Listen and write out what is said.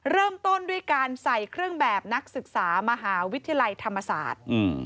เริ่มต้นด้วยการใส่เครื่องแบบนักศึกษามหาวิทยาลัยธรรมศาสตร์